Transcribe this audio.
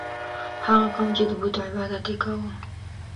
هغه قوم چې د بت عبادت یې کاوه.